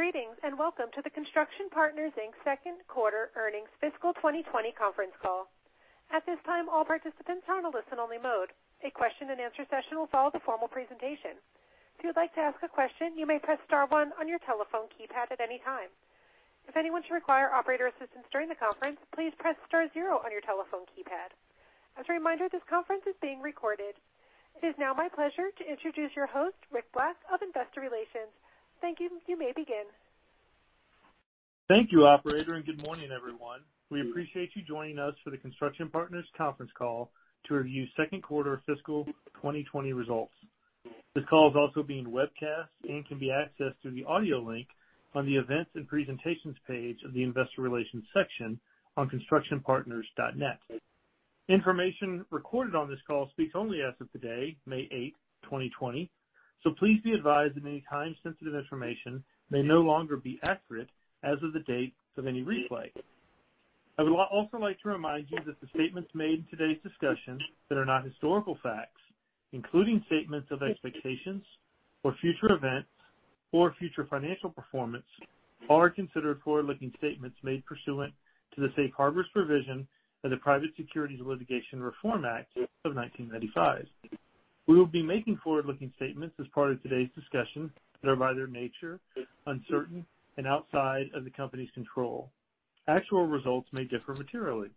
Greetings, welcome to the Construction Partners, Inc. second quarter earnings fiscal 2020 conference call. At this time, all participants are on a listen-only mode. A question and answer session will follow the formal presentation. If you would like to ask a question, you may press star one on your telephone keypad at any time. If anyone should require operator assistance during the conference, please press star zero on your telephone keypad. As a reminder, this conference is being recorded. It is now my pleasure to introduce your host, Rick Black of Investor Relations. Thank you. You may begin. Thank you, operator. Good morning, everyone. We appreciate you joining us for the Construction Partners conference call to review second quarter fiscal 2020 results. This call is also being webcast and can be accessed through the audio link on the Events and Presentations page of the investor relations section on constructionpartners.net. Information recorded on this call speaks only as of today, May 8, 2020, so please be advised that any time-sensitive information may no longer be accurate as of the date of any replay. I would also like to remind you that the statements made in today's discussion that are not historical facts, including statements of expectations for future events or future financial performance, are considered forward-looking statements made pursuant to the safe harbors provision of the Private Securities Litigation Reform Act of 1995. We will be making forward-looking statements as part of today's discussion that are, by their nature, uncertain and outside of the company's control. Actual results may differ materially.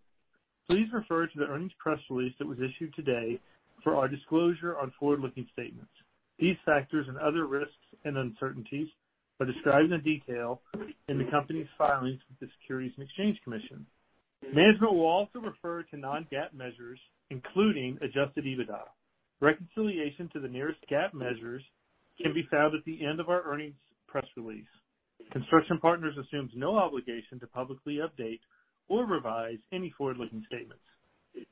Please refer to the earnings press release that was issued today for our disclosure on forward-looking statements. These factors and other risks and uncertainties are described in detail in the company's filings with the Securities and Exchange Commission. Management will also refer to non-GAAP measures, including adjusted EBITDA. Reconciliation to the nearest GAAP measures can be found at the end of our earnings press release. Construction Partners assumes no obligation to publicly update or revise any forward-looking statements.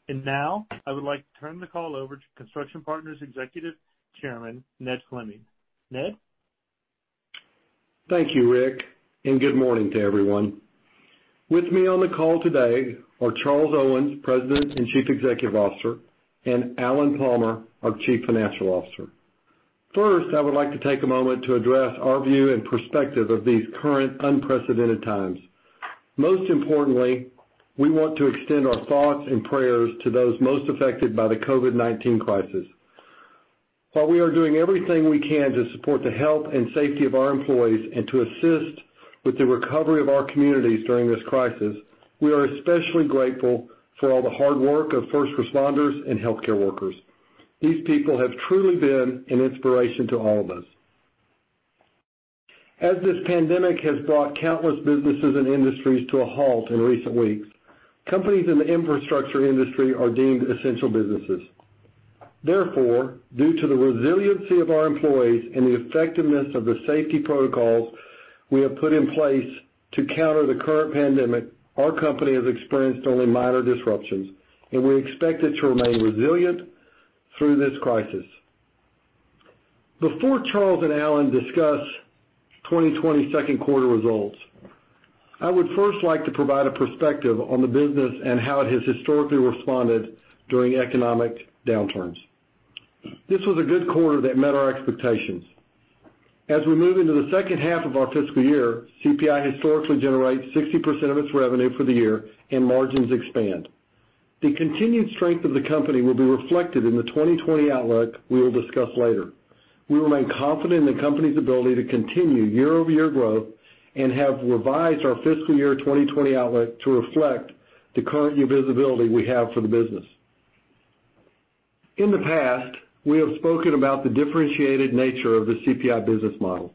Now, I would like to turn the call over to Construction Partners' Executive Chairman, Ned Fleming. Ned? Thank you, Rick. Good morning to everyone. With me on the call today are Charles Owens, President and Chief Executive Officer, and Alan Palmer, our Chief Financial Officer. First, I would like to take a moment to address our view and perspective of these current unprecedented times. Most importantly, we want to extend our thoughts and prayers to those most affected by the COVID-19 crisis. While we are doing everything we can to support the health and safety of our employees and to assist with the recovery of our communities during this crisis, we are especially grateful for all the hard work of first responders and healthcare workers. These people have truly been an inspiration to all of us. As this pandemic has brought countless businesses and industries to a halt in recent weeks, companies in the infrastructure industry are deemed essential businesses. Therefore, due to the resiliency of our employees and the effectiveness of the safety protocols we have put in place to counter the current pandemic, our company has experienced only minor disruptions, and we expect it to remain resilient through this crisis. Before Charles and Alan discuss 2020 second quarter results, I would first like to provide a perspective on the business and how it has historically responded during economic downturns. This was a good quarter that met our expectations. As we move into the second half of our fiscal year, CPI historically generates 60% of its revenue for the year and margins expand. The continued strength of the company will be reflected in the 2020 outlook we will discuss later. We remain confident in the company's ability to continue year-over-year growth and have revised our fiscal year 2020 outlook to reflect the current new visibility we have for the business. In the past, we have spoken about the differentiated nature of the CPI business model.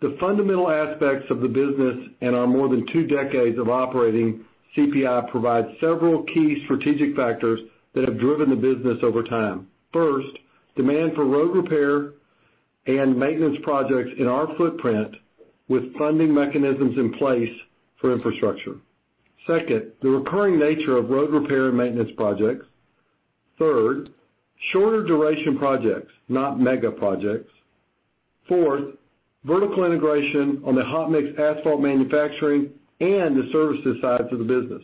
The fundamental aspects of the business and our more than two decades of operating CPI provide several key strategic factors that have driven the business over time. First, demand for road repair and maintenance projects in our footprint with funding mechanisms in place for infrastructure. Second, the recurring nature of road repair and maintenance projects. Third, shorter duration projects, not mega projects. Fourth, vertical integration on the hot mix asphalt manufacturing and the services side to the business.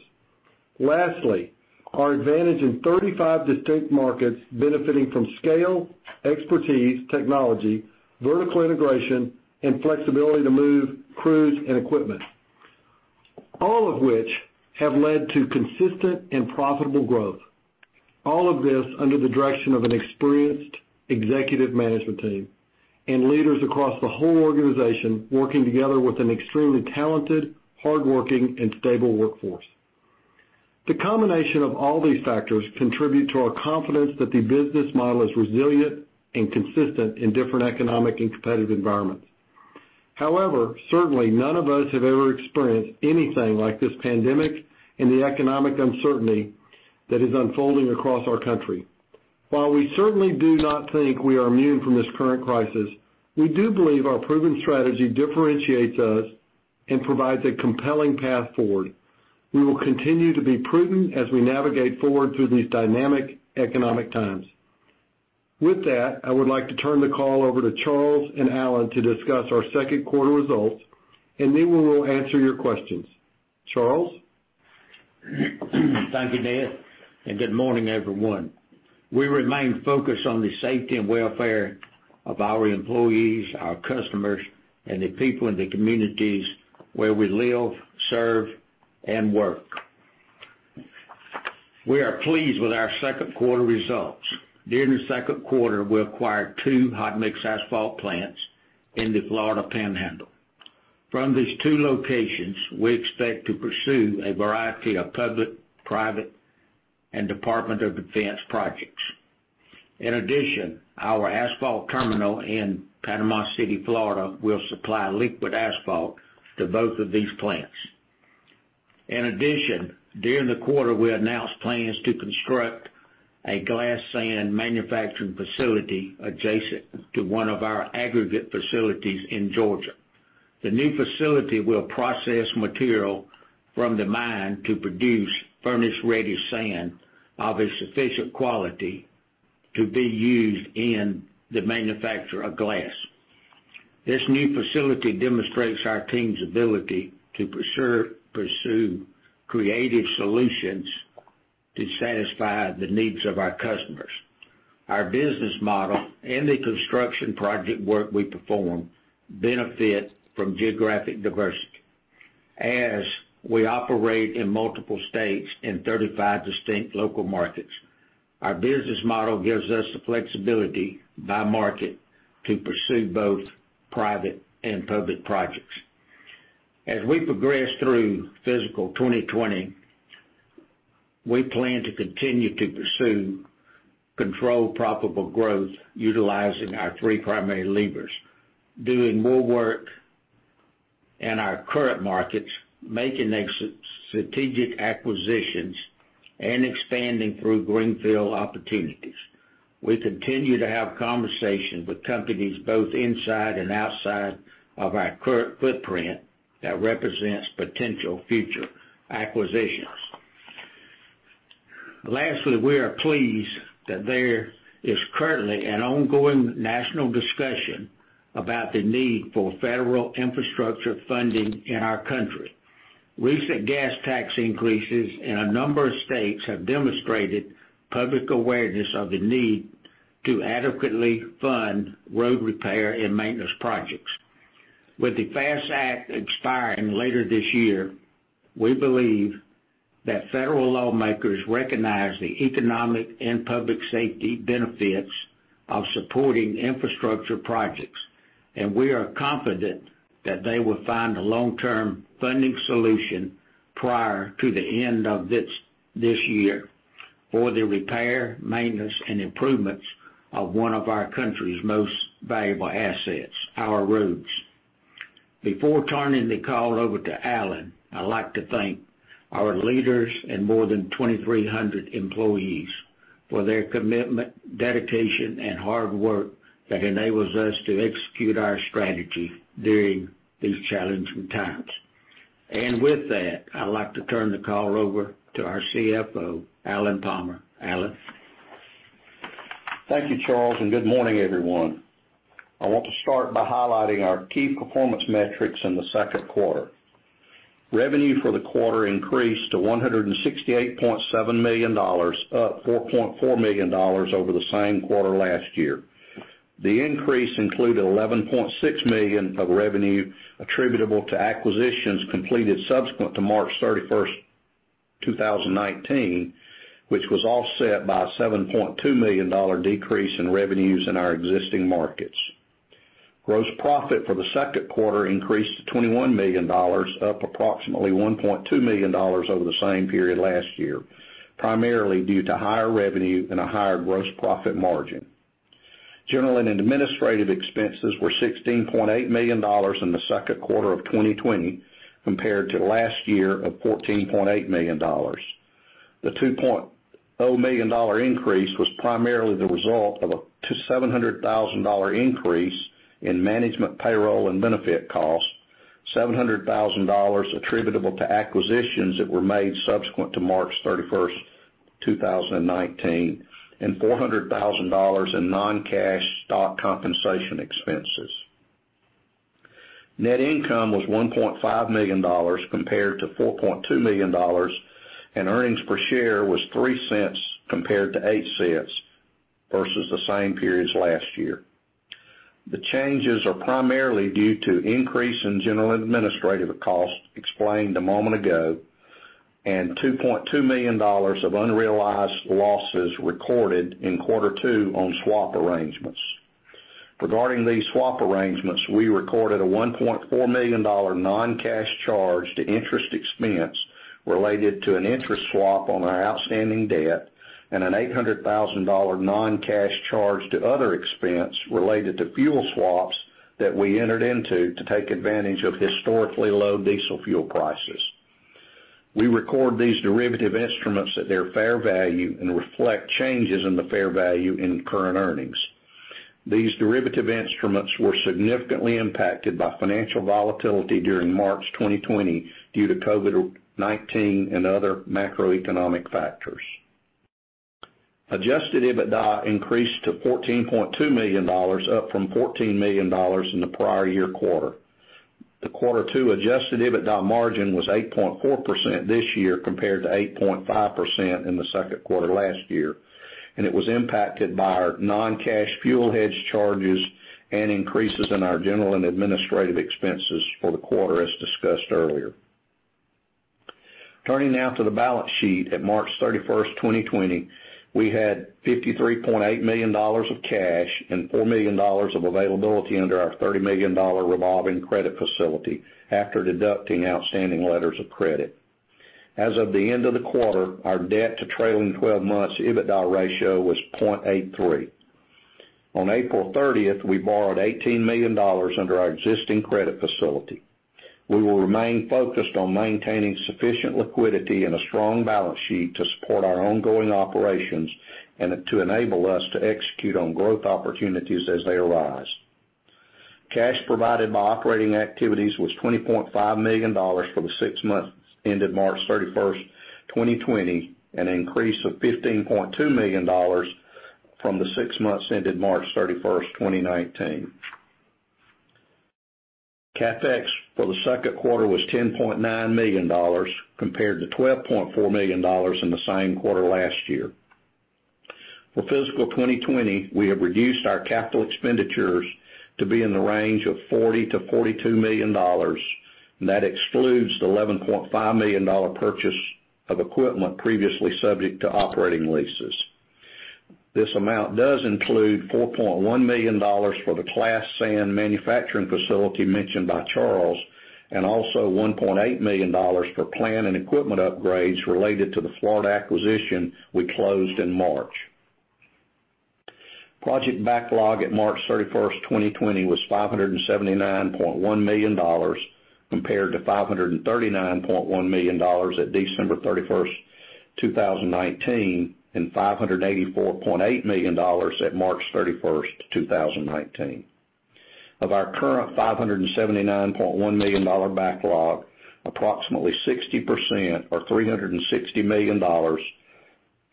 Lastly, our advantage in 35 distinct markets benefiting from scale, expertise, technology, vertical integration, and flexibility to move crews and equipment. All of which have led to consistent and profitable growth. All of this under the direction of an experienced executive management team and leaders across the whole organization working together with an extremely talented, hardworking, and stable workforce. The combination of all these factors contribute to our confidence that the business model is resilient and consistent in different economic and competitive environments. Certainly none of us have ever experienced anything like this pandemic and the economic uncertainty that is unfolding across our country. While we certainly do not think we are immune from this current crisis, we do believe our proven strategy differentiates us and provides a compelling path forward. We will continue to be prudent as we navigate forward through these dynamic economic times. With that, I would like to turn the call over to Charles and Alan to discuss our second quarter results, and then we will answer your questions. Charles? Thank you, Ned, and good morning, everyone. We remain focused on the safety and welfare of our employees, our customers, and the people in the communities where we live, serve, and work. We are pleased with our second quarter results. During the second quarter, we acquired two hot mix asphalt plants in the Florida Panhandle. From these two locations, we expect to pursue a variety of public, private, and Department of Defense projects. In addition, our asphalt terminal in Panama City, Florida, will supply liquid asphalt to both of these plants. In addition, during the quarter, we announced plans to construct a glass sand manufacturing facility adjacent to one of our aggregate facilities in Georgia. The new facility will process material from the mine to produce furnace-ready sand of a sufficient quality to be used in the manufacture of glass. This new facility demonstrates our team's ability to pursue creative solutions to satisfy the needs of our customers. Our business model and the construction project work we perform benefit from geographic diversity. As we operate in multiple states in 35 distinct local markets, our business model gives us the flexibility by market to pursue both private and public projects. As we progress through fiscal 2020, we plan to continue to pursue controlled profitable growth utilizing our three primary levers. Doing more work in our current markets, making strategic acquisitions, and expanding through greenfield opportunities. We continue to have conversations with companies both inside and outside of our current footprint that represents potential future acquisitions. Lastly, we are pleased that there is currently an ongoing national discussion about the need for federal infrastructure funding in our country. Recent gas tax increases in a number of states have demonstrated public awareness of the need to adequately fund road repair and maintenance projects. With the FAST Act expiring later this year, we believe that federal lawmakers recognize the economic and public safety benefits of supporting infrastructure projects, and we are confident that they will find a long-term funding solution prior to the end of this year for the repair, maintenance, and improvements of one of our country's most valuable assets, our roads. Before turning the call over to Alan, I'd like to thank our leaders and more than 2,300 employees for their commitment, dedication, and hard work that enables us to execute our strategy during these challenging times. With that, I'd like to turn the call over to our CFO, Alan Palmer. Alan? Thank you, Charles, and good morning, everyone. I want to start by highlighting our key performance metrics in the second quarter. Revenue for the quarter increased to $168.7 million, up $4.4 million over the same quarter last year. The increase included $11.6 million of revenue attributable to acquisitions completed subsequent to March 31st, 2019, which was offset by a $7.2 million decrease in revenues in our existing markets. Gross profit for the second quarter increased to $21 million, up approximately $1.2 million over the same period last year, primarily due to higher revenue and a higher gross profit margin. General and administrative expenses were $16.8 million in the second quarter of 2020 compared to last year of $14.8 million. The $2.0 million increase was primarily the result of a $700,000 increase in management payroll and benefit costs, $700,000 attributable to acquisitions that were made subsequent to March 31st, 2019, and $400,000 in non-cash stock compensation expenses. Net income was $1.5 million compared to $4.2 million, and earnings per share was $0.03 compared to $0.08 versus the same periods last year. The changes are primarily due to increase in general administrative cost, explained a moment ago, and $2.2 million of unrealized losses recorded in quarter two on swap arrangements. Regarding these swap arrangements, we recorded a $1.4 million non-cash charge to interest expense related to an interest swap on our outstanding debt and an $800,000 non-cash charge to other expense related to fuel swaps that we entered into to take advantage of historically low diesel fuel prices. We record these derivative instruments at their fair value and reflect changes in the fair value in current earnings. These derivative instruments were significantly impacted by financial volatility during March 2020 due to COVID-19 and other macroeconomic factors. Adjusted EBITDA increased to $14.2 million, up from $14 million in the prior year quarter. The Q2 adjusted EBITDA margin was 8.4% this year compared to 8.5% in the second quarter last year, and it was impacted by our non-cash fuel hedge charges and increases in our general and administrative expenses for the quarter, as discussed earlier. Turning now to the balance sheet. At March 31, 2020, we had $53.8 million of cash and $4 million of availability under our $30 million revolving credit facility after deducting outstanding letters of credit. As of the end of the quarter, our debt to trailing 12 months EBITDA ratio was 0.83. On April 30th, we borrowed $18 million under our existing credit facility. We will remain focused on maintaining sufficient liquidity and a strong balance sheet to support our ongoing operations and to enable us to execute on growth opportunities as they arise. Cash provided by operating activities was $20.5 million for the six months ended March 31st, 2020, an increase of $15.2 million from the six months ended March 31st, 2019. CapEx for the second quarter was $10.9 million, compared to $12.4 million in the same quarter last year. For fiscal 2020, we have reduced our capital expenditures to be in the range of $40 million-$42 million, and that excludes the $11.5 million purchase of equipment previously subject to operating leases. This amount does include $4.1 million for the glass sand manufacturing facility mentioned by Charles, and also $1.8 million for plant and equipment upgrades related to the Florida acquisition we closed in March. Project backlog at March 31st, 2020, was $579.1 million, compared to $539.1 million at December 31st, 2019, and $584.8 million at March 31st, 2019. Of our current $579.1 million backlog, approximately 60%, or $360 million,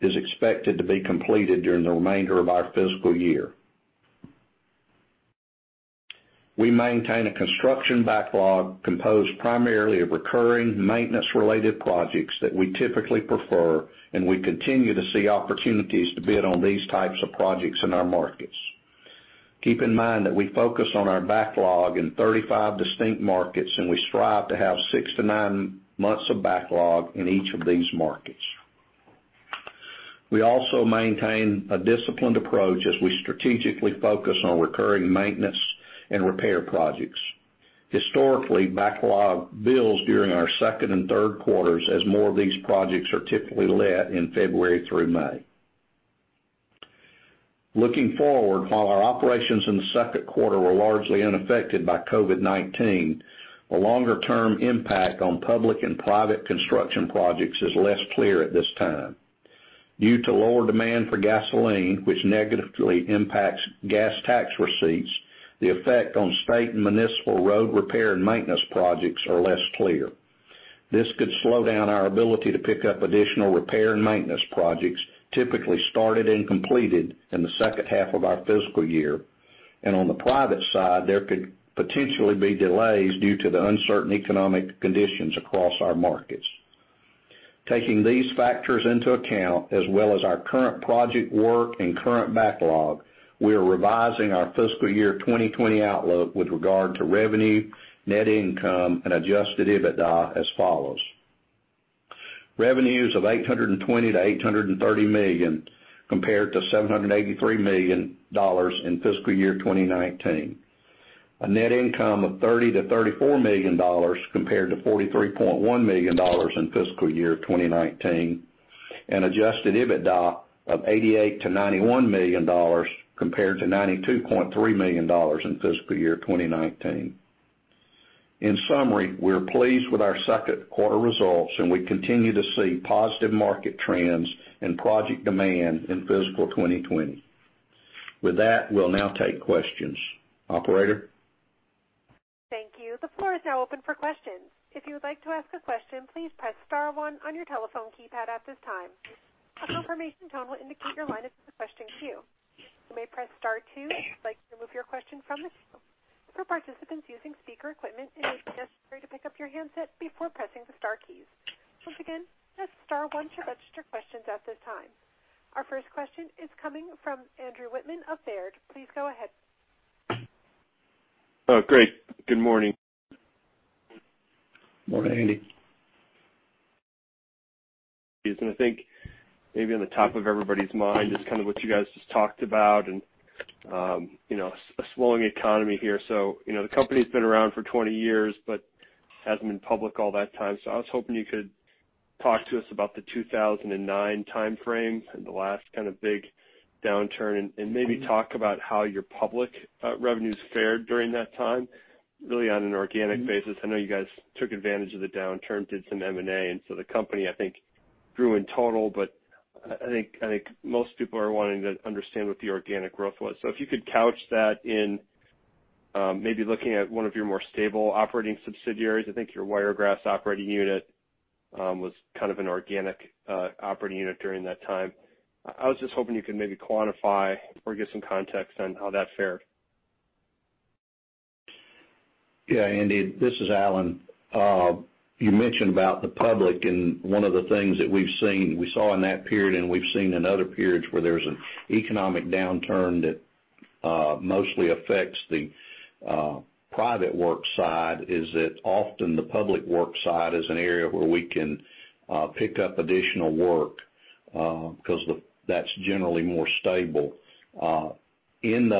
is expected to be completed during the remainder of our fiscal year. We maintain a construction backlog composed primarily of recurring maintenance-related projects that we typically prefer, and we continue to see opportunities to bid on these types of projects in our markets. Keep in mind that we focus on our backlog in 35 distinct markets, and we strive to have six to nine months of backlog in each of these markets. We also maintain a disciplined approach as we strategically focus on recurring maintenance and repair projects. Historically, backlog builds during our second and third quarters as more of these projects are typically let in February through May. Looking forward, while our operations in the second quarter were largely unaffected by COVID-19, the longer-term impact on public and private construction projects is less clear at this time. Due to lower demand for gasoline, which negatively impacts gas tax receipts, the effect on state and municipal road repair and maintenance projects are less clear. This could slow down our ability to pick up additional repair and maintenance projects, typically started and completed in the second half of our fiscal year. On the private side, there could potentially be delays due to the uncertain economic conditions across our markets. Taking these factors into account, as well as our current project work and current backlog, we are revising our fiscal year 2020 outlook with regard to revenue, net income, and adjusted EBITDA as follows. Revenues of $820 million-$830 million compared to $783 million in fiscal year 2019. A net income of $30 million-$34 million compared to $43.1 million in fiscal year 2019. An adjusted EBITDA of $88 million-$91 million compared to $92.3 million in fiscal year 2019. In summary, we're pleased with our second quarter results, and we continue to see positive market trends and project demand in fiscal 2020. With that, we'll now take questions. Operator? Thank you. The floor is now open for questions. If you would like to ask a question, please press star one on your telephone keypad at this time. A confirmation tone will indicate your line is in the question queue. You may press star two if you'd like to remove your question from the queue. For participants using speaker equipment, it is necessary to pick up your handset before pressing the star keys. Once again, press star one to register questions at this time. Our first question is coming from Andrew Wittmann of Baird. Please go ahead. Oh, great. Good morning. Morning, Andy. I think maybe on the top of everybody's mind is kind of what you guys just talked about and a slowing economy here. The company's been around for 20 years, but hasn't been public all that time. I was hoping you could talk to us about the 2009 timeframe and the last kind of big downturn and maybe talk about how your public revenues fared during that time, really on an organic basis. I know you guys took advantage of the downturn, did some M&A, and so the company, I think, grew in total. I think most people are wanting to understand what the organic growth was. If you could couch that in, maybe looking at one of your more stable operating subsidiaries, I think your Wiregrass operating unit was kind of an organic operating unit during that time. I was just hoping you could maybe quantify or give some context on how that fared? Yeah, Andy, this is Alan. You mentioned about the public, and one of the things that we've seen, we saw in that period and we've seen in other periods where there's an economic downturn that mostly affects the private work side, is that often the public works side is an area where we can pick up additional work, because that's generally more stable. In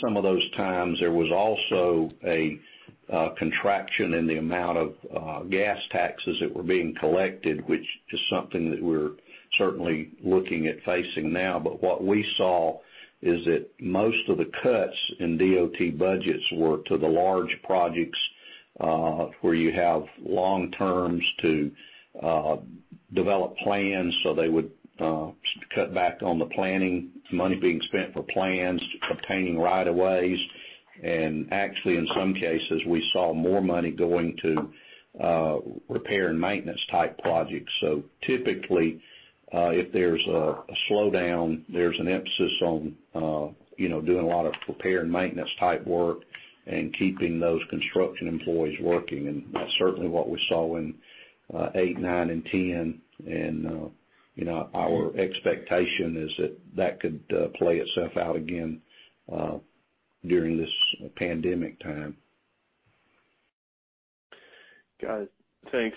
some of those times, there was also a contraction in the amount of gas taxes that were being collected, which is something that we're certainly looking at facing now. What we saw is that most of the cuts in DOT budgets were to the large projects, where you have long terms to develop plans, so they would cut back on the planning, money being spent for plans, obtaining right of ways. Actually, in some cases, we saw more money going to repair and maintenance type projects. Typically, if there's a slowdown, there's an emphasis on doing a lot of repair and maintenance type work and keeping those construction employees working. That's certainly what we saw in 2008, 2009, and 2010, and our expectation is that that could play itself out again during this pandemic time. Got it. Thanks.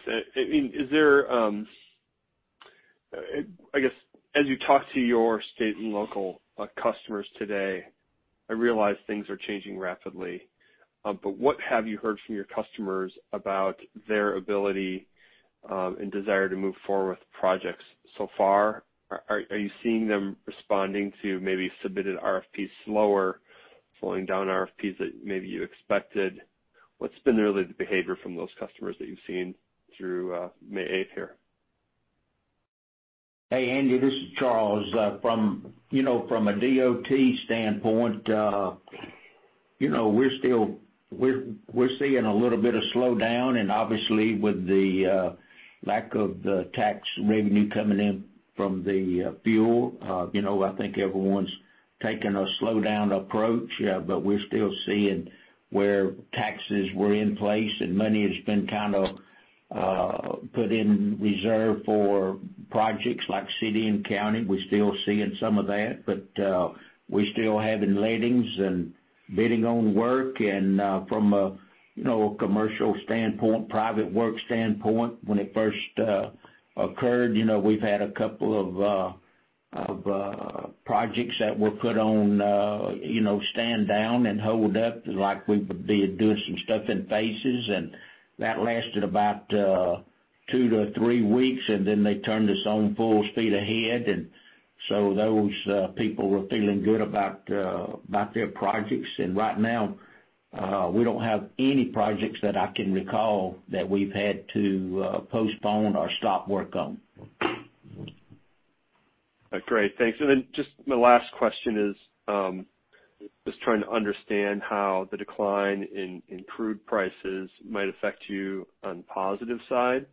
I guess, as you talk to your state and local customers today, I realize things are changing rapidly, but what have you heard from your customers about their ability and desire to move forward with projects so far? Are you seeing them responding to maybe submitted RFP slower, slowing down RFP that maybe you expected? What's been the behavior from those customers that you've seen through May 8th here? Hey, Andy, this is Charles. From a DOT standpoint, we're seeing a little bit of slowdown. Obviously with the lack of the tax revenue coming in from the fuel, I think everyone's taking a slowdown approach. We're still seeing where taxes were in place and money has been kind of put in reserve for projects like city and county. We're still seeing some of that. We're still having lettings and bidding on work. From a commercial standpoint, private work standpoint, when it first occurred, we've had a couple of projects that were put on stand down and hold up, like we would be doing some stuff in phases. That lasted about two to three weeks. They turned us on full speed ahead. Those people were feeling good about their projects. Right now, we don't have any projects that I can recall that we've had to postpone or stop work on. Great. Thanks. Just my last question is just trying to understand how the decline in crude prices might affect you on positive side,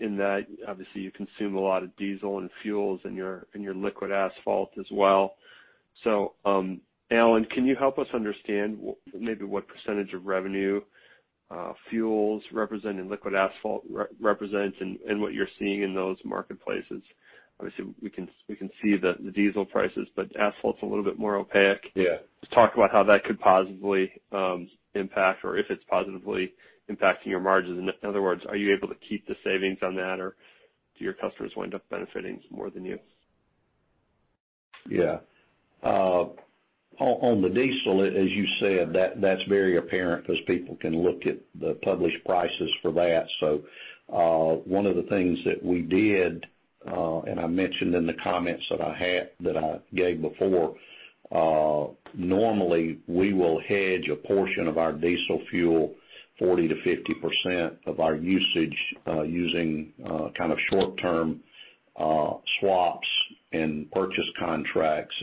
in that obviously you consume a lot of diesel and fuels in your liquid asphalt as well. Alan, can you help us understand maybe what % of revenue fuels represent and liquid asphalt represents and what you're seeing in those marketplaces? Obviously, we can see the diesel prices, but asphalt's a little bit more opaque. Yeah. Just talk about how that could positively impact or if it's positively impacting your margins. In other words, are you able to keep the savings on that or do your customers wind up benefiting more than you? Yeah. On the diesel, as you said, that's very apparent because people can look at the published prices for that. One of the things that we did, and I mentioned in the comments that I gave before, normally we will hedge a portion of our diesel fuel 40%-50% of our usage, using kind of short-term swaps and purchase contracts.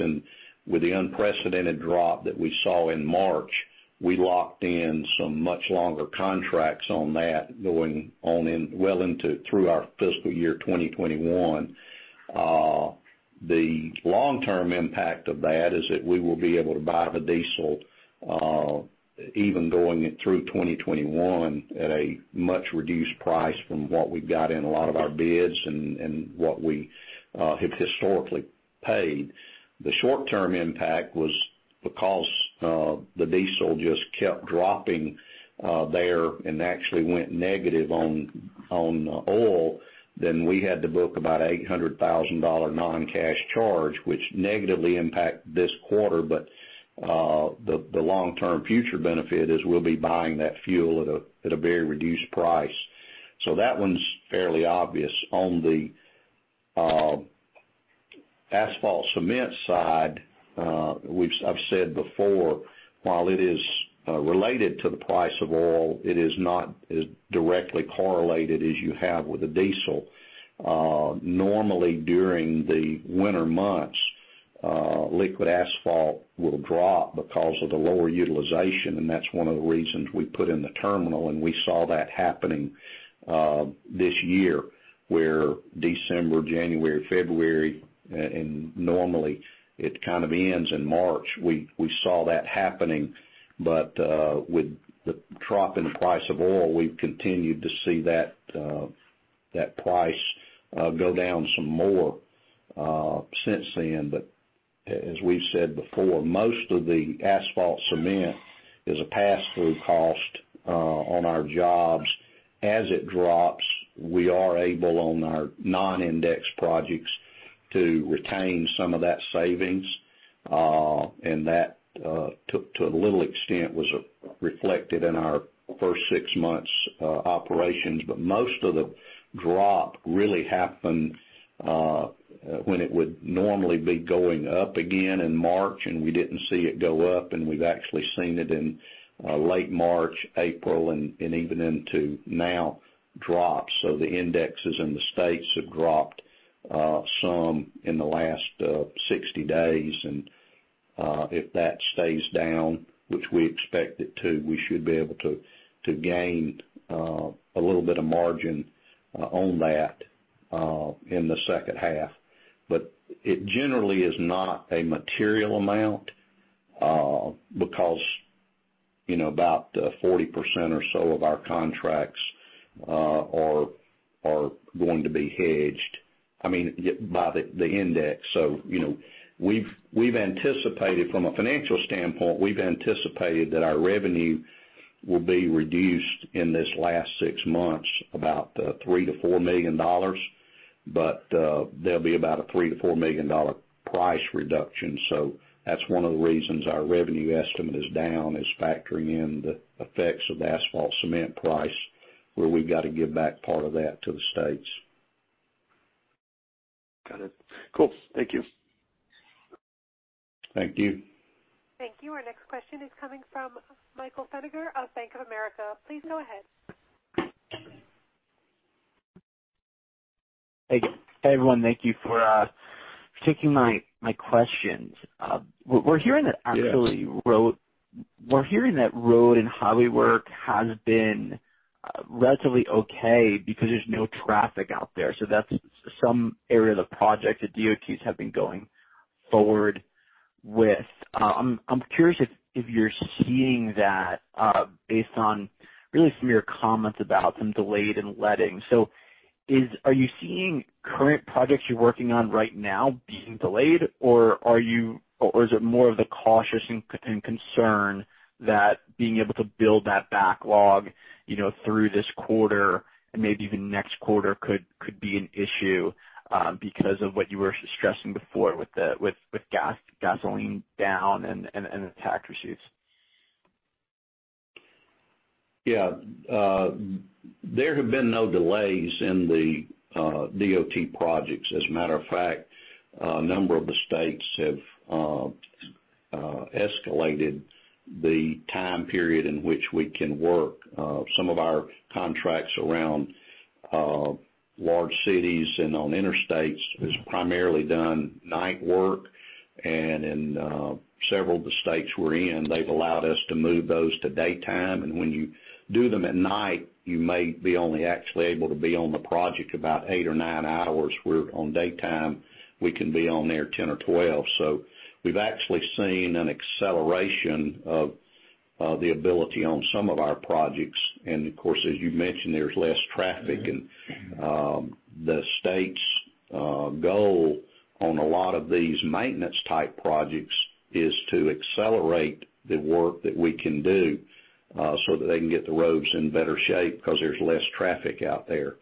With the unprecedented drop that we saw in March, we locked in some much longer contracts on that going on in well into through our fiscal year 2021. The long-term impact of that is that we will be able to buy the diesel even going through 2021 at a much reduced price from what we've got in a lot of our bids and what we have historically paid. The short-term impact was because the diesel just kept dropping there and actually went negative on oil, then we had to book about $800,000 non-cash charge, which negatively impacted this quarter. The long-term future benefit is we'll be buying that fuel at a very reduced price. That one's fairly obvious. On the asphalt cement side, I've said before, while it is related to the price of oil, it is not as directly correlated as you have with the diesel. Normally, during the winter months, liquid asphalt will drop because of the lower utilization, and that's one of the reasons we put in the terminal, and we saw that happening this year, where December, January, February, and normally it kind of ends in March. We saw that happening. With the drop in the price of oil, we've continued to see that price go down some more since then. As we've said before, most of the asphalt cement is a pass-through cost on our jobs. As it drops, we are able, on our non-indexed projects, to retain some of that savings. That, to a little extent, was reflected in our first six months operations. Most of the drop really happened when it would normally be going up again in March, and we didn't see it go up, and we've actually seen it in late March, April, and even into now, drop. The indexes in the states have dropped some in the last 60 days, and if that stays down, which we expect it to, we should be able to gain a little bit of margin on that in the second half. It generally is not a material amount because about 40% or so of our contracts are going to be hedged by the index. From a financial standpoint, we've anticipated that our revenue will be reduced in this last six months, about $3 million-$4 million, but there'll be about a $3 million-$4 million price reduction. That's one of the reasons our revenue estimate is down. It's factoring in the effects of asphalt cement price, where we've got to give back part of that to the states. Got it. Cool. Thank you. Thank you. Thank you. Our next question is coming from Michael Feniger of Bank of America. Please go ahead. Hey, everyone. Thank you for taking my questions. Yes. We're hearing that road and highway work has been relatively okay because there's no traffic out there. That's some area of the project the DOTs have been going forward with. I'm curious if you're seeing that based on really some of your comments about some delayed in lettings. Are you seeing current projects you're working on right now being delayed, or is it more of the cautious and concern that being able to build that backlog through this quarter and maybe even next quarter could be an issue because of what you were stressing before with gasoline down and the tax receipts? Yeah. There have been no delays in the DOT projects. As a matter of fact, a number of the states have escalated the time period in which we can work. Some of our contracts around large cities and on interstates is primarily done night work. In several of the states we're in, they've allowed us to move those to daytime. When you do them at night, you may be only actually able to be on the project about eight or nine hours, where on daytime, we can be on there 10 or 12. We've actually seen an acceleration of the ability on some of our projects. Of course, as you mentioned, there's less traffic. The state's goal on a lot of these maintenance-type projects is to accelerate the work that we can do so that they can get the roads in better shape because there's less traffic out there.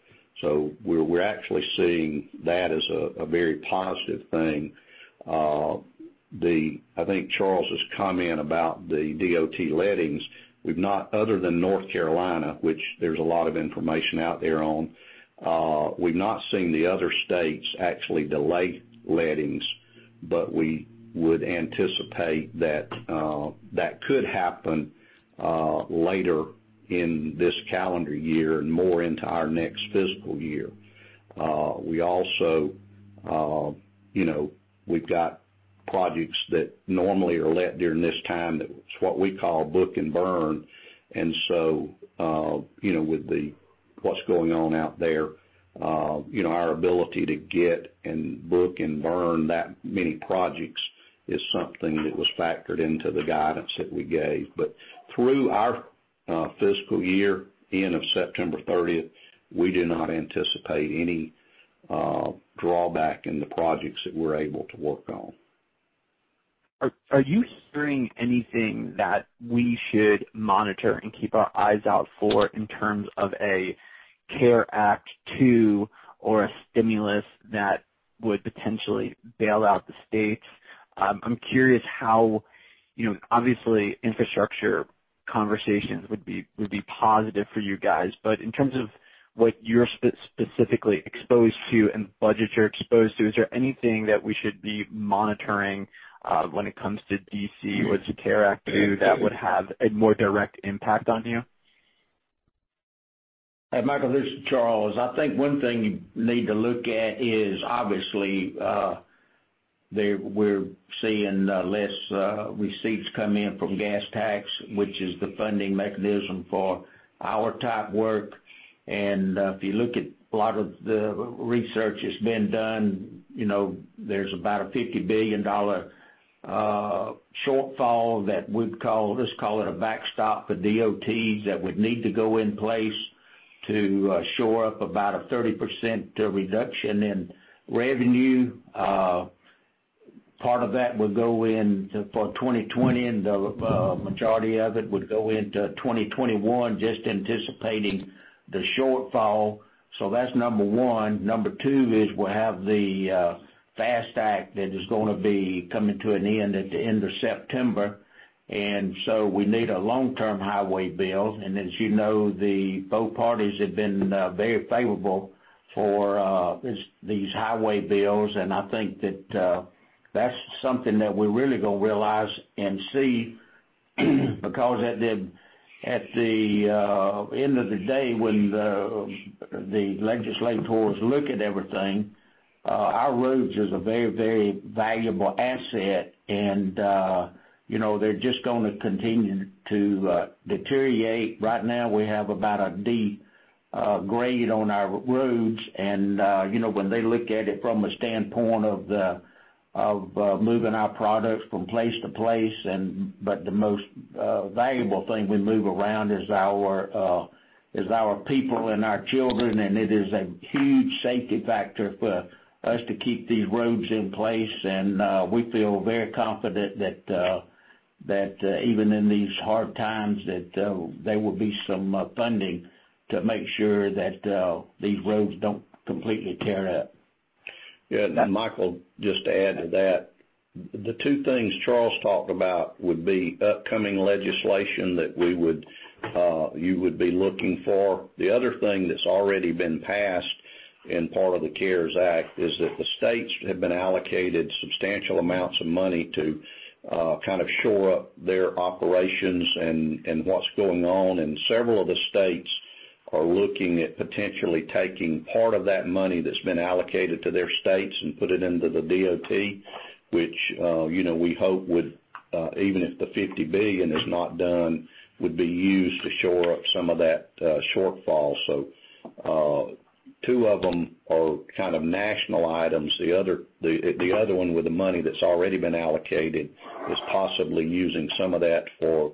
We're actually seeing that as a very positive thing. I think Charles's comment about the DOT lettings, other than North Carolina, which there's a lot of information out there on, we've not seen the other states actually delay lettings, but we would anticipate that that could happen later in this calendar year and more into our next fiscal year. We've got projects that normally are let during this time that it's what we call book and burn. With what's going on out there, our ability to get and book and burn that many projects is something that was factored into the guidance that we gave. Through our fiscal year end of September 30th, we do not anticipate any drawback in the projects that we're able to work on. Are you hearing anything that we should monitor and keep our eyes out for in terms of a CARES Act 2.0 or a stimulus that would potentially bail out the states? I'm curious how, obviously, infrastructure conversations would be positive for you guys. But in terms of what you're specifically exposed to and budgets you're exposed to, is there anything that we should be monitoring when it comes to D.C. with the CARES Act 2.0 that would have a more direct impact on you? Hey Michael, this is Charles. I think one thing you need to look at is obviously, we're seeing less receipts come in from gas tax, which is the funding mechanism for our type work. If you look at a lot of the research that's been done, there's about a $50 billion shortfall that we'd call a backstop for DOTs that would need to go in place to shore up about a 30% reduction in revenue. Part of that would go in for 2020, the majority of it would go into 2021, just anticipating the shortfall. That's number one. Number two is we'll have the FAST Act that is going to be coming to an end at the end of September. We need a long-term highway bill. As you know, both parties have been very favorable for these highway bills. I think that's something that we're really going to realize and see because at the end of the day, when the legislators look at everything, our roads is a very, very valuable asset. They're just going to continue to deteriorate. Right now, we have about a D grade on our roads. When they look at it from a standpoint of moving our products from place to place, but the most valuable thing we move around is our people and our children, and it is a huge safety factor for us to keep these roads in place. We feel very confident that even in these hard times, that there will be some funding to make sure that these roads don't completely tear up. Yeah. Michael, just to add to that. The two things Charles talked about would be upcoming legislation that you would be looking for. The other thing that's already been passed in part of the CARES Act is that the states have been allocated substantial amounts of money to shore up their operations and what's going on. Several of the states are looking at potentially taking part of that money that's been allocated to their states and put it into the DOT, which we hope would, even if the $50 billion is not done, would be used to shore up some of that shortfall. Two of them are kind of national items. The other one with the money that's already been allocated is possibly using some of that for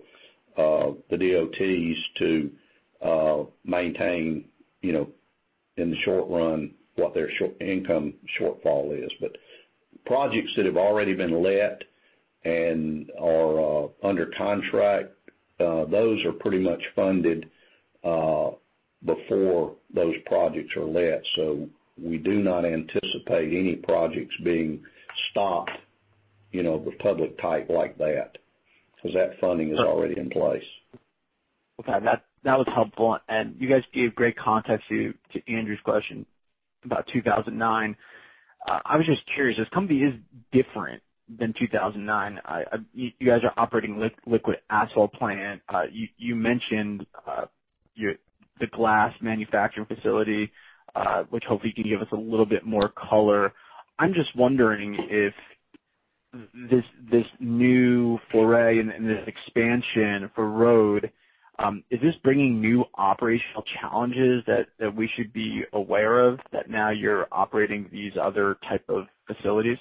the DOTs to maintain in the short run what their income shortfall is. Projects that have already been let and are under contract, those are pretty much funded before those projects are let. We do not anticipate any projects being stopped, the public type like that, because that funding is already in place. Okay. That was helpful. You guys gave great context to Andrew's question about 2009. I was just curious. This company is different than 2009. You guys are operating a liquid asphalt plant. You mentioned the glass sand manufacturing facility, which hopefully can give us a little bit more color. I'm just wondering if this new foray and this expansion for road, is this bringing new operational challenges that we should be aware of, that now you're operating these other type of facilities?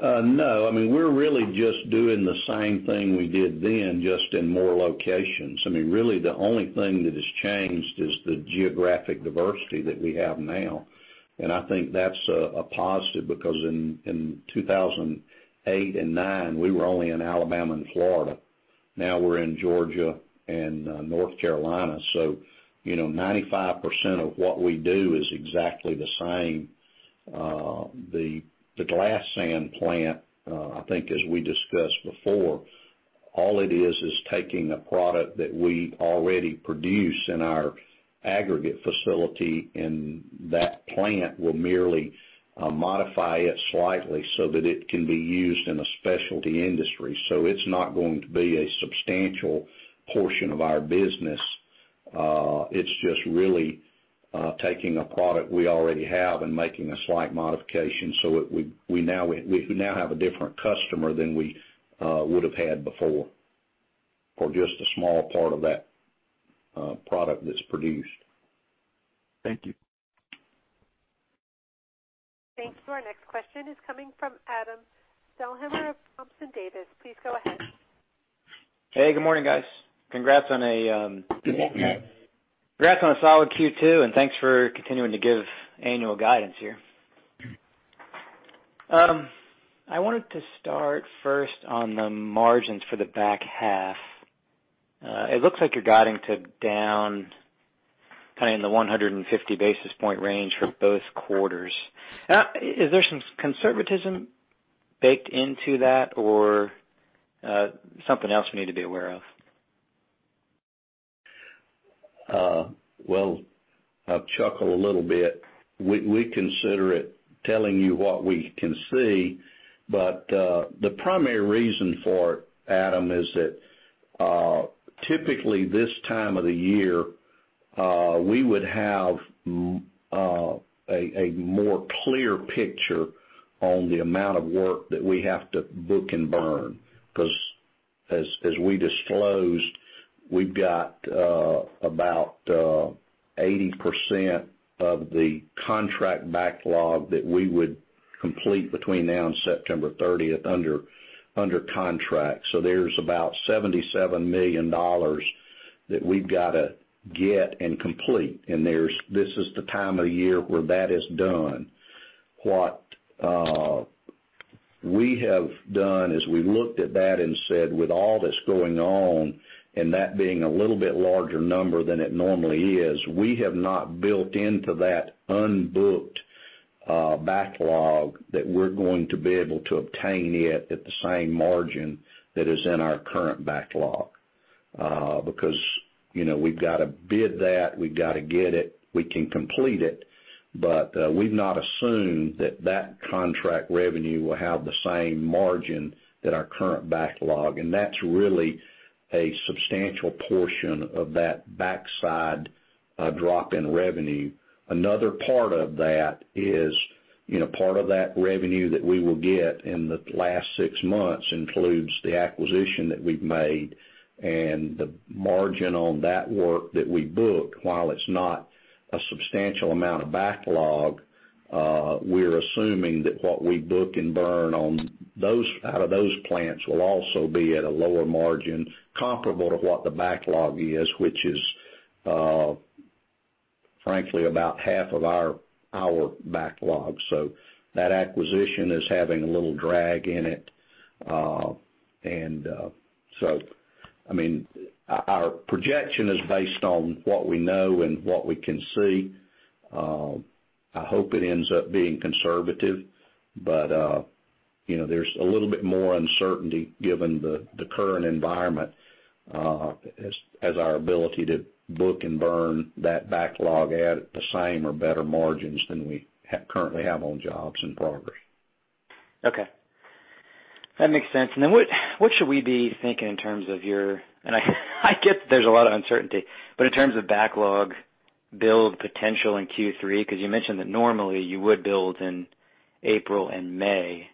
No. We're really just doing the same thing we did then, just in more locations. Really the only thing that has changed is the geographic diversity that we have now. I think that's a positive because in 2008 and 2009, we were only in Alabama and Florida. Now we're in Georgia and North Carolina. 95% of what we do is exactly the same. The glass sand plant, I think as we discussed before, all it is taking a product that we already produce in our aggregate facility, and that plant will merely modify it slightly so that it can be used in a specialty industry. It's not going to be a substantial portion of our business. It's just really taking a product we already have and making a slight modification so we now have a different customer than we would have had before for just a small part of that product that's produced. Thank you. Thanks. Our next question is coming from Adam Thalhimer of Thompson Davis. Please go ahead. Hey, good morning, guys. Good morning. Congrats on a solid Q2, thanks for continuing to give annual guidance here. I wanted to start first on the margins for the back half. It looks like you're guiding to down kind of in the 150 basis point range for both quarters. Is there some conservatism baked into that or something else we need to be aware of? Well, I chuckle a little bit. We consider it telling you what we can see. The primary reason for it, Adam, is that typically this time of the year, we would have a more clear picture on the amount of work that we have to book and burn. As we disclosed, we've got about 80% of the contract backlog that we would complete between now and September 30th under contract. There's about $77 million that we've got to get and complete. This is the time of the year where that is done. What we have done is we looked at that and said, with all that's going on, and that being a little bit larger number than it normally is, we have not built into that unbooked backlog that we're going to be able to obtain it at the same margin that is in our current backlog. We've got to bid that. We've got to get it. We can complete it. We've not assumed that contract revenue will have the same margin that our current backlog, and that's really a substantial portion of that backside drop in revenue. Another part of that is part of that revenue that we will get in the last six months includes the acquisition that we've made, and the margin on that work that we book, while it's not a substantial amount of backlog, we're assuming that what we book and burn out of those plants will also be at a lower margin comparable to what the backlog is, which is frankly about half of our backlog. That acquisition is having a little drag in it. Our projection is based on what we know and what we can see. I hope it ends up being conservative. There's a little bit more uncertainty given the current environment as our ability to book and burn that backlog at the same or better margins than we currently have on jobs in progress. Okay. That makes sense. Then what should we be thinking in terms of your, and I get there's a lot of uncertainty, but in terms of backlog build potential in Q3, because you mentioned that normally you would build in April and May.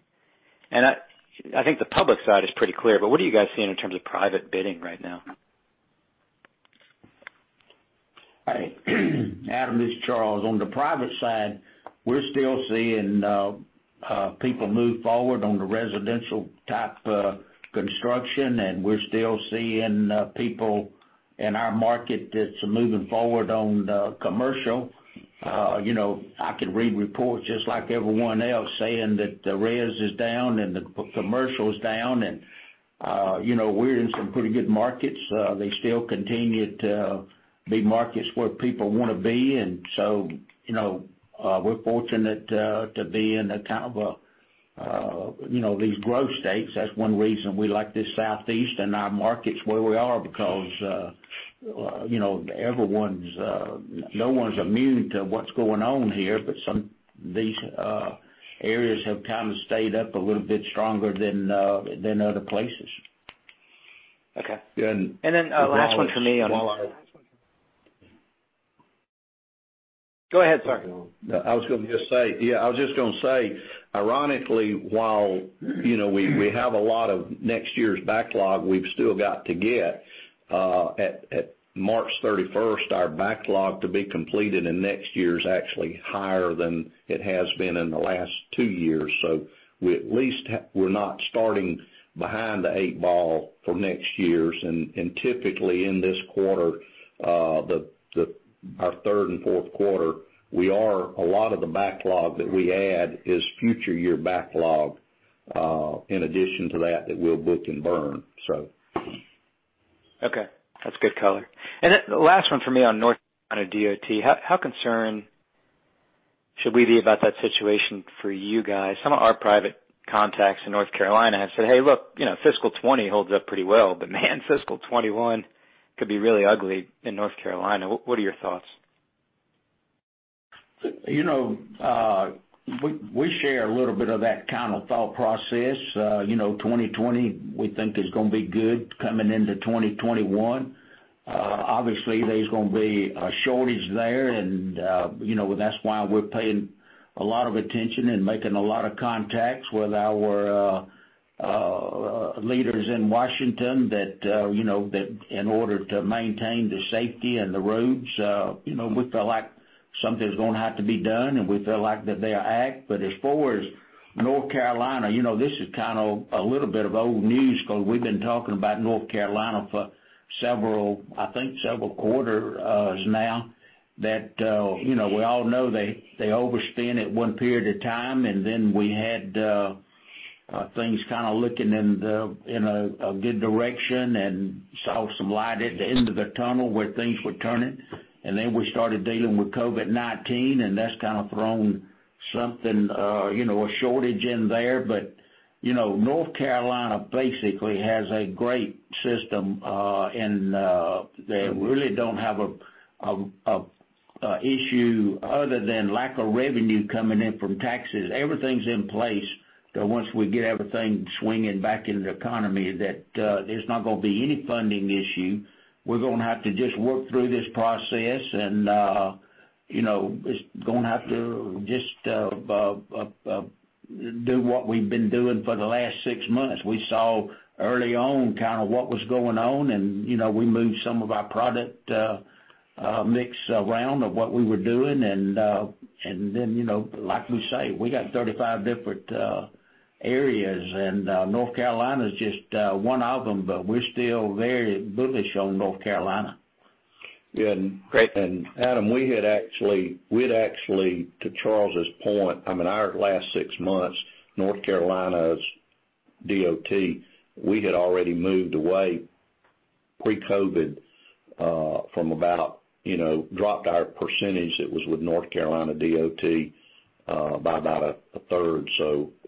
I think the public side is pretty clear, but what are you guys seeing in terms of private bidding right now? Adam, this is Charles. On the private side, we're still seeing people move forward on the residential type construction, and we're still seeing people in our market that's moving forward on the commercial. I could read reports just like everyone else saying that the res is down and the commercial is down, and we're in some pretty good markets. They still continue to be markets where people want to be in. We're fortunate to be in these growth states. That's one reason we like the Southeast and our markets where we are because no one's immune to what's going on here, but these areas have kind of stayed up a little bit stronger than other places. Okay. last one for me on. While I. Go ahead, sorry. I was just going to say, ironically, while we have a lot of next year's backlog we've still got to get at March 31st, our backlog to be completed in next year is actually higher than it has been in the last two years. At least we're not starting behind the eight ball for next year. Typically in this quarter, our third and fourth quarter, a lot of the backlog that we add is future year backlog in addition to that that we'll book and burn. Okay. That's good color. The last one from me on North Carolina DOT. How concerned should we be about that situation for you guys? Some of our private contacts in North Carolina have said, "Hey, look, fiscal 2020 holds up pretty well, but man, fiscal 2021 could be really ugly in North Carolina." What are your thoughts? We share a little bit of that kind of thought process. 2020 we think is going to be good coming into 2021. Obviously, there's going to be a shortage there, and that's why we're paying a lot of attention and making a lot of contacts with our leaders in Washington that in order to maintain the safety and the roads, we feel like something's going to have to be done, and we feel like that they'll act. As far as North Carolina, this is kind of a little bit of old news because we've been talking about North Carolina for I think several quarters now. We all know they overspend at one period of time, and then we had things kind of looking in a good direction and saw some light at the end of the tunnel where things were turning. We started dealing with COVID-19, and that's kind of thrown. Something, a shortage in there. North Carolina basically has a great system, and they really don't have an issue other than lack of revenue coming in from taxes. Everything's in place that once we get everything swinging back into the economy, that there's not going to be any funding issue. We're going to have to just work through this process and it's going to have to just do what we've been doing for the last six months. We saw early on kind of what was going on, and we moved some of our product mix around of what we were doing. Like we say, we got 35 different areas, and North Carolina's just one of them, but we're still very bullish on North Carolina. Yeah. Adam, to Charles's point, our last six months, North Carolina's DOT, we had already moved away pre-COVID, dropped our percentage that was with North Carolina DOT by about a third.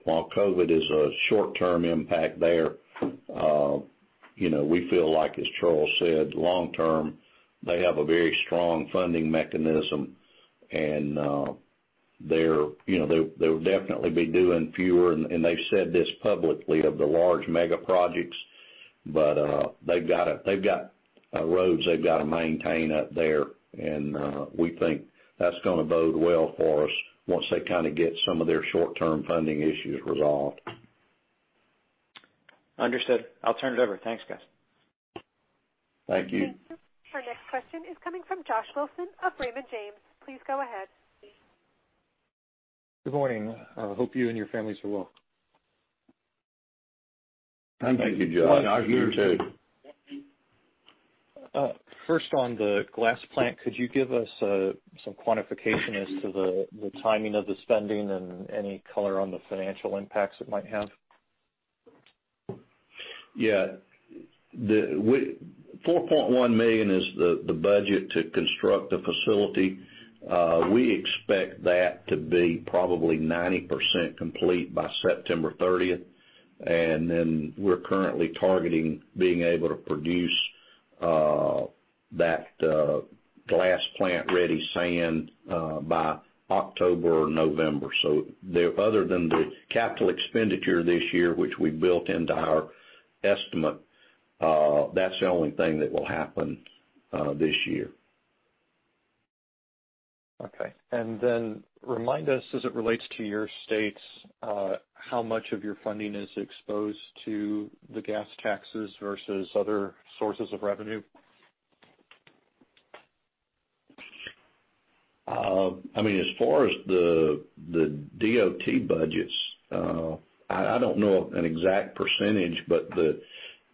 While COVID-19 is a short-term impact there, we feel like, as Charles said, long term, they have a very strong funding mechanism. They'll definitely be doing fewer, and they've said this publicly, of the large mega projects. They've got roads they've got to maintain up there. We think that's going to bode well for us once they kind of get some of their short-term funding issues resolved. Understood. I'll turn it over. Thanks, guys. Thank you. Our next question is coming from Josh Wilson of Raymond James. Please go ahead. Good morning. I hope you and your families are well. Thank you, Josh. You too. Welcome, Josh. First, on the glass plant, could you give us some quantification as to the timing of the spending and any color on the financial impacts it might have? Yeah. $4.1 million is the budget to construct the facility. We expect that to be probably 90% complete by September 30th, and then we're currently targeting being able to produce that glass plant-ready sand by October or November. Other than the capital expenditure this year, which we built into our estimate, that's the only thing that will happen this year. Okay. Then remind us as it relates to your states, how much of your funding is exposed to the gas taxes versus other sources of revenue? As far as the DOT budgets, I don't know an exact percentage.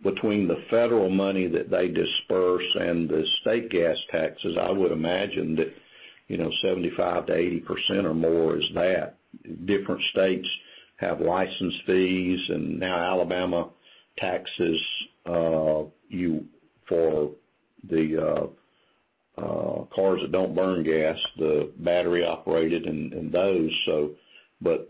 Between the federal money that they disperse and the state gas taxes, I would imagine that 75%-80% or more is that. Different states have license fees. Now Alabama taxes you for the cars that don't burn gas, the battery operated and those.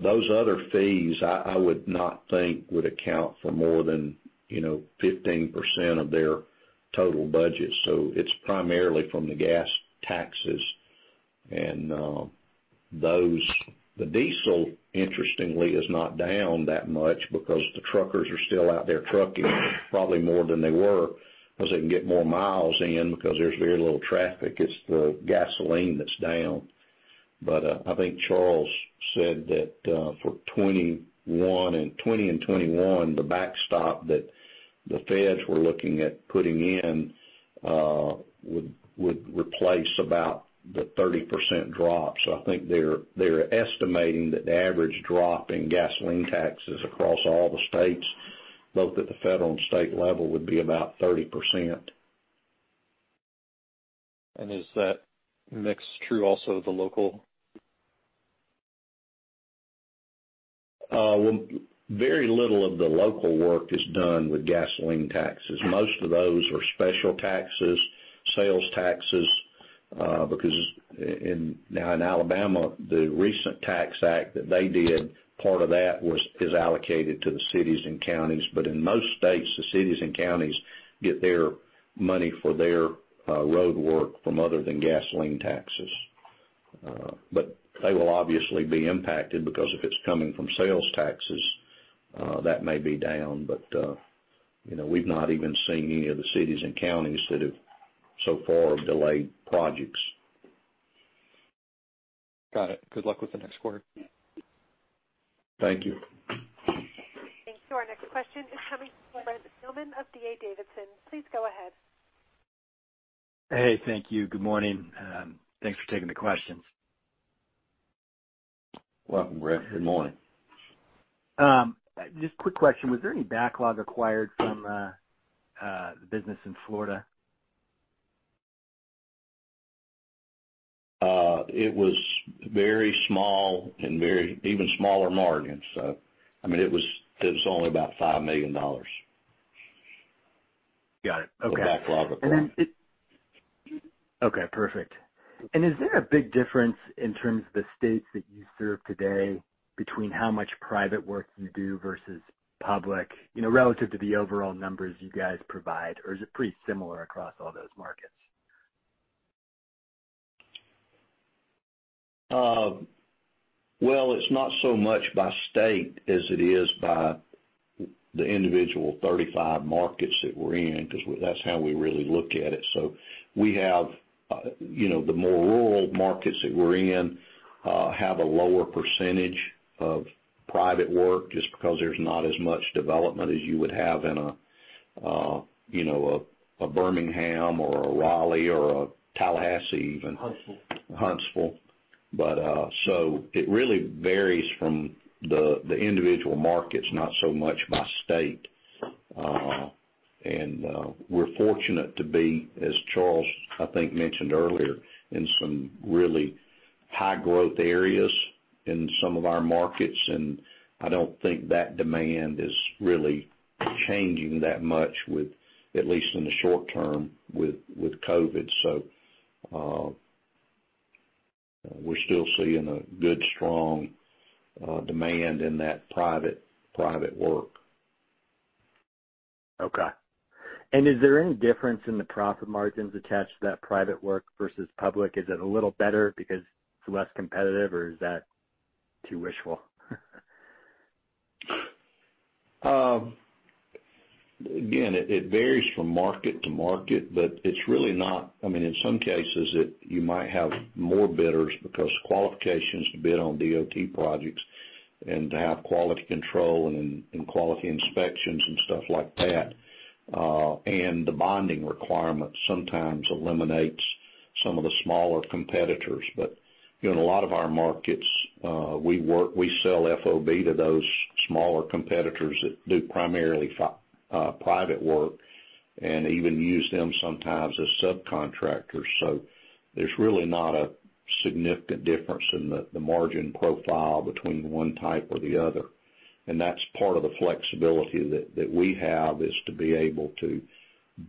Those other fees, I would not think would account for more than 15% of their total budget. It's primarily from the gas taxes. The diesel, interestingly, is not down that much because the truckers are still out there trucking probably more than they were because they can get more miles in because there's very little traffic. It's the gasoline that's down. I think Charles said that for 2020 and 2021, the backstop that the feds were looking at putting in would replace about the 30% drop. I think they're estimating that the average drop in gasoline taxes across all the states, both at the federal and state level, would be about 30%. Is that mix true also of the local? Well, very little of the local work is done with gasoline taxes. Most of those are special taxes, sales taxes. Now in Alabama, the recent tax act that they did, part of that is allocated to the cities and counties. In most states, the cities and counties get their money for their road work from other than gasoline taxes. They will obviously be impacted because if it's coming from sales taxes, that may be down. We've not even seen any of the cities and counties that have so far delayed projects. Got it. Good luck with the next quarter. Thank you. Thank you. Our next question is coming from Brent Thielman of D.A. Davidson. Please go ahead. Hey, thank you. Good morning. Thanks for taking the questions. Welcome, Brent. Good morning. Just a quick question. Was there any backlog acquired from the business in Florida? It was very small and even smaller margins. It was only about $5 million. Got it. Okay. The backlog of work. Okay, perfect. Is there a big difference in terms of the states that you serve today between how much private work you do versus public, relative to the overall numbers you guys provide? Is it pretty similar across all those markets? Well, it's not so much by state as it is by the individual 35 markets that we're in, because that's how we really look at it. We have the more rural markets that we're in have a lower percentage of private work, just because there's not as much development as you would have in a Birmingham or a Raleigh or a Tallahassee even. Huntsville. Huntsville. It really varies from the individual markets, not so much by state. We're fortunate to be, as Charles, I think, mentioned earlier, in some really high growth areas in some of our markets, and I don't think that demand is really changing that much, at least in the short term, with COVID-19. We're still seeing a good, strong demand in that private work. Okay. Is there any difference in the profit margins attached to that private work versus public? Is it a little better because it's less competitive, or is that too wishful? Again, it varies from market to market, but it's really not. In some cases, you might have more bidders because qualifications to bid on DOT projects and to have quality control and quality inspections and stuff like that, and the bonding requirements sometimes eliminates some of the smaller competitors. In a lot of our markets, we sell FOB to those smaller competitors that do primarily private work and even use them sometimes as subcontractors. There's really not a significant difference in the margin profile between one type or the other. That's part of the flexibility that we have, is to be able to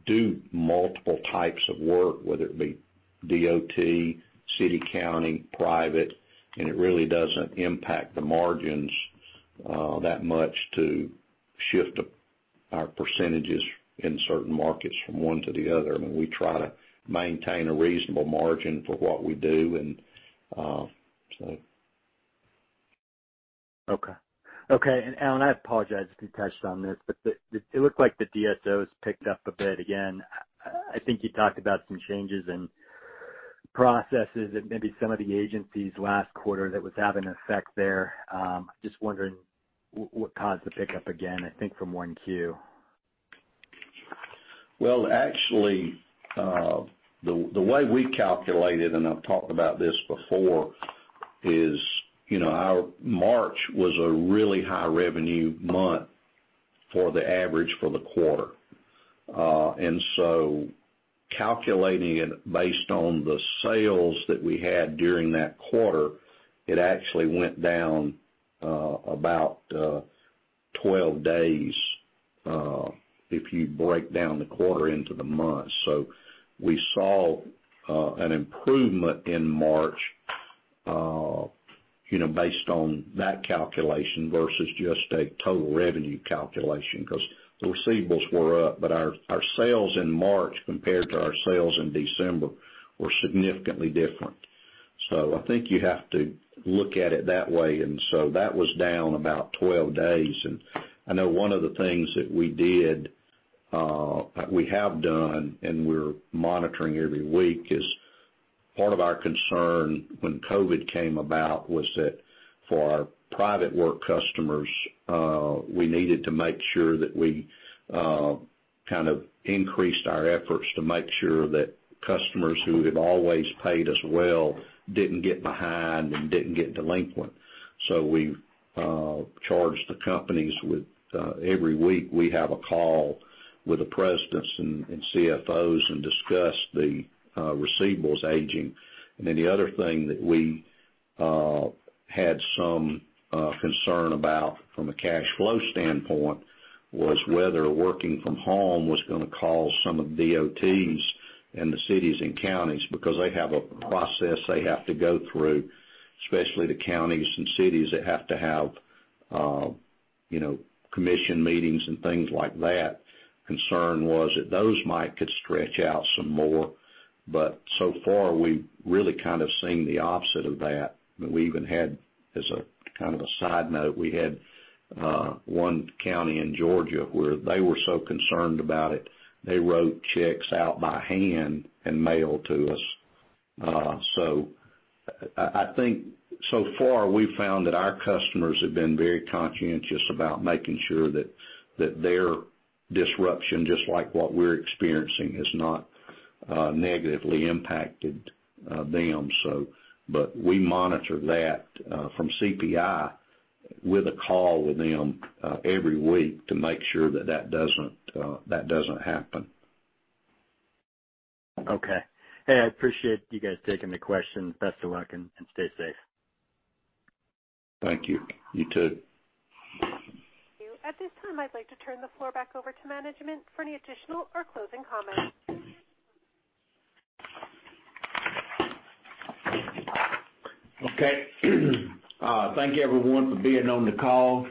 do multiple types of work, whether it be DOT, city, county, private, and it really doesn't impact the margins that much to shift our percentages in certain markets from one to the other. We try to maintain a reasonable margin for what we do. Okay. Alan, I apologize if you touched on this, but it looked like the DSOs picked up a bit again. I think you talked about some changes in processes at maybe some of the agencies last quarter that was having an effect there. Just wondering what caused the pickup again, I think from 1Q. Well, actually, the way we calculated, and I've talked about this before, is our March was a really high revenue month for the average for the quarter. Calculating it based on the sales that we had during that quarter, it actually went down about 12 days, if you break down the quarter into the months. We saw an improvement in March based on that calculation versus just a total revenue calculation, because receivables were up, but our sales in March compared to our sales in December were significantly different. I think you have to look at it that way, and so that was down about 12 days. I know one of the things that we have done, and we're monitoring every week, is part of our concern when COVID-19 came about was that for our private work customers, we needed to make sure that we increased our efforts to make sure that customers who had always paid us well didn't get behind and didn't get delinquent. We've charged the companies with every week we have a call with the presidents and CFOs and discuss the receivables aging. The other thing that we had some concern about from a cash flow standpoint was whether working from home was going to cause some of the DOTs and the cities and counties, because they have a process they have to go through, especially the counties and cities that have to have commission meetings and things like that. Concern was that those might could stretch out some more. So far, we've really kind of seen the opposite of that. As a kind of a side note, we had one county in Georgia where they were so concerned about it, they wrote checks out by hand and mailed to us. I think so far, we've found that our customers have been very conscientious about making sure that their disruption, just like what we're experiencing, has not negatively impacted them. We monitor that from CPI with a call with them every week to make sure that doesn't happen. Okay. Hey, I appreciate you guys taking the question. Best of luck, and stay safe. Thank you. You too. Thank you. At this time, I'd like to turn the floor back over to management for any additional or closing comments. Okay. Thank you everyone for being on the call.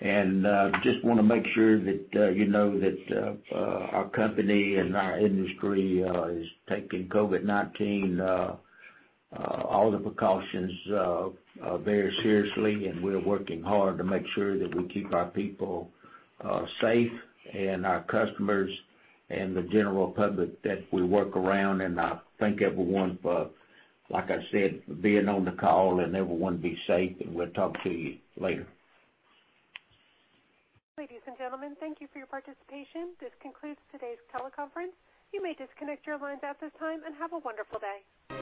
Just want to make sure that you know that our company and our industry is taking COVID-19, all the precautions very seriously, and we're working hard to make sure that we keep our people safe and our customers and the general public that we work around. I thank everyone for, like I said, being on the call, and everyone be safe, and we'll talk to you later. Ladies and gentlemen, thank you for your participation. This concludes today's teleconference. You may disconnect your lines at this time, and have a wonderful day.